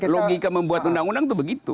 logika membuat undang undang itu begitu